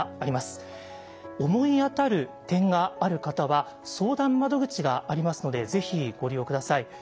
思い当たる点がある方は相談窓口がありますのでぜひご利用下さい。